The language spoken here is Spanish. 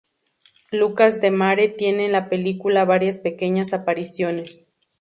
Lucas Demare tiene en la película varias pequeñas apariciones.